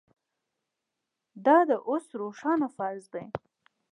دا د اودس روښانه فرض دی